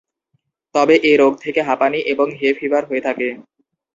তবে এ রোগ থেকে হাঁপানি এবং হে ফিভার হয়ে থাকে।